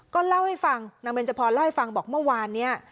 ก็เล่าให้ฟังนางเบนจพรเล่าให้ฟังบอกเมื่อวานเนี่ย